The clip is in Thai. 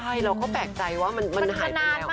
ใช่เราเข้าไปแตกใจว่ามันหายไปแล้ว